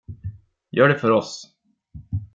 Gör det för oss.